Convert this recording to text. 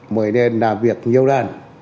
mời nên làm việc nhiều lần